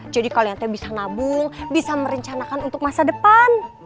jadi kalian bisa nabung bisa merencanakan untuk masa depan